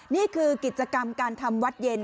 นี่คือกิจกรรมการทำวัดเย็น